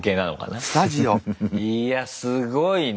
いやすごいね。